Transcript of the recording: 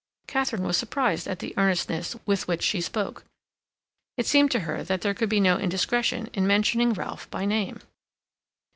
Katharine was surprised at the earnestness with which she spoke. It seemed to her that there could be no indiscretion in mentioning Ralph by name.